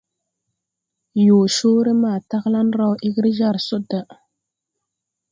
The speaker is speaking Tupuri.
Yõõ coore ma taglaŋ raw egre jar so da.